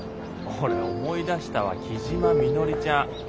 俺思い出したわ木嶋みのりちゃん。